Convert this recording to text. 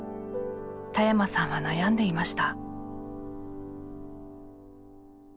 田山さんは悩んでいました。